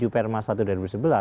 perma satu dari dua ribu sebelas